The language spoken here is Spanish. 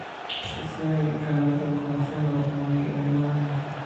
La sede del canal se encuentra en Maguncia, Alemania.